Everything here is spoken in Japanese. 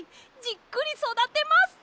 じっくりそだてます！